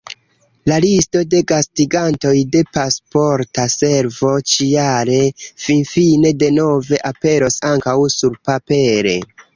La listo de gastigantoj de Pasporta Servo ĉi-jare finfine denove aperos ankaŭ surpapere.